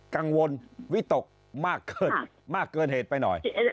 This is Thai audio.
กังวลวิตกมากเกินเหตุไปหน่อย